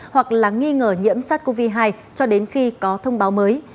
hoặc là nghi ngờ nhiễm sars cov hai cho đến khi có thông báo mới